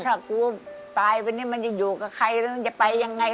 ถ้ากูตายไปนี่มันจะอยู่กับใครแล้วมันจะไปยังไง